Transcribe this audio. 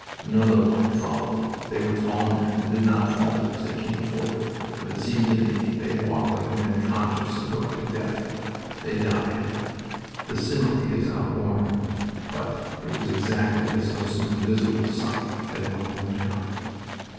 Another line followed. They were tall men, and did not falter as they came forward, but it seemed to me they walked like men conscious of going to death. They died. The simile is outworn, but it was exactly as though some invisible scythe had mown them down.